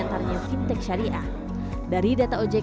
amana adalah perusahaan fintech syariah pertama di indonesia